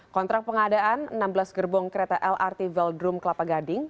kontrak pengadaan enam belas gerbong kereta lrt veldrum kelapa gading